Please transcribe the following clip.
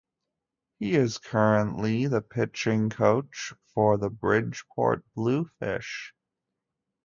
He is currently the pitching coach for the Bridgeport Bluefish.